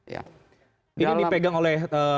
ini dipegang oleh